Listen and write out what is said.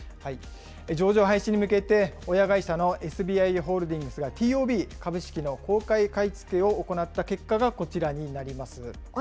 上場廃止に向けて、親会社のＳＢＩホールディングスがＴＯＢ・株式の公開買い付けを行った結果がこちらになります。